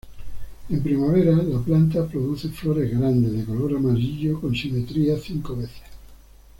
En primavera, la planta produce flores grandes, de color amarillo con simetría cinco veces.